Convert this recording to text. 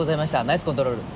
ナイスコントロール。